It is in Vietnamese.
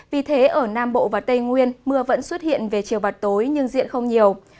vì thế ở nam bộ và tây nguyên mưa vẫn xuất hiện về chiều và tối nhưng diện không nhiều